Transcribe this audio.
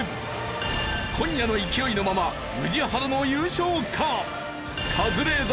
今夜の勢いのまま宇治原の優勝か？